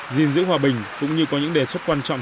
giữ hòa bình giữ hòa bình cũng như có những đề xuất quan trọng